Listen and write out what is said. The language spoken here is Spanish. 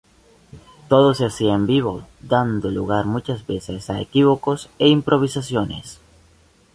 Todo se hacía en vivo, dando lugar muchas veces a equívocos e improvisaciones.